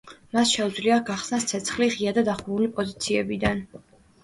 მას შეუძლია გახსნას ცეცხლი ღია და დახურული პოზიციებიდან.